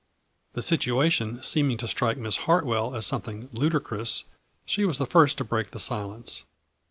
The situation seeming to strike Miss Hart well as something ludicrous, she was the first to break the silence.